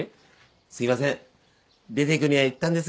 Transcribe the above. すいません出ていくようには言ったんですが。